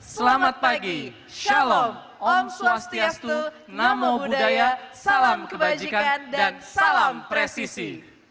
selamat pagi shalom om swastiastu namo buddhaya salam kebajikan dan salam presisi